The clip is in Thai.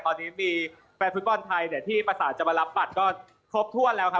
ตอนนี้มีแฟนฟุตบอลไทยที่ประสานจะมารับบัตรก็ครบถ้วนแล้วครับ